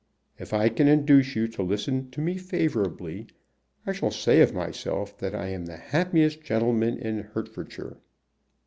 "If I can induce you to listen to me favorably, I shall say of myself that I am the happiest gentleman in Hertfordshire."